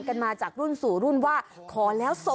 กันมาจากรุ่นสู่รุ่นว่า